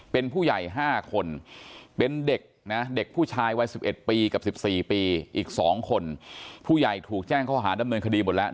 เป็นผู้ใหญ่๕คนเป็นเด็กนะเด็กผู้ชายวัย๑๑ปีกับ๑๔ปีอีก๒คนผู้ใหญ่ถูกแจ้งข้อหาดำเนินคดีหมดแล้ว